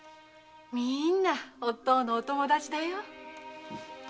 みんなおっ父のお友達だよ。